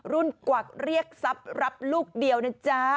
กวักเรียกทรัพย์รับลูกเดียวนะจ๊ะ